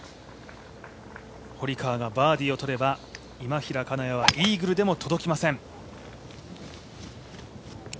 堀川がバーディーを取れば今平、金谷はイーグルでも届きません。